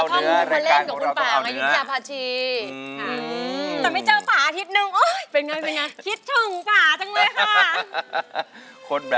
งานเยอะโอ้โฮงานเยอะ